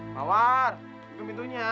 mawar itu pintunya